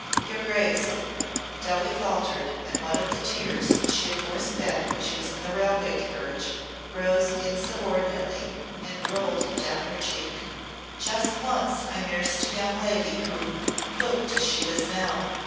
"Your grace," Dowie faltered and one of the tears she had forced back when she was in the railway carriage rose insubordinately and rolled down her cheek, "just once I nursed a young lady who looked as she does now.